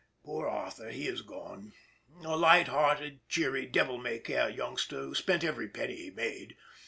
Poor Arthur, he is gone,—a light hearted, cheery, devil may care youngster who spent every penny he made.